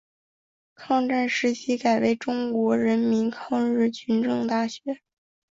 抗战时期改为中国人民抗日军政大学。